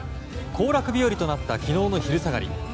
行楽日和となった昨日の昼下がり。